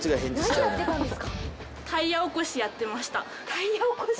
タイヤ起こし？